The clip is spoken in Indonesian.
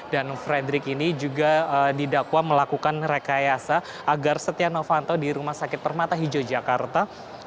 dan fredri ini juga didakwa melakukan rekayasa agar setia novanto di rumah sakit permata hijau jakarta